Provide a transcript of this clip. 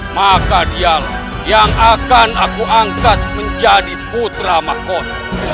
maka dia yang akan aku angkat menjadi putra mahkot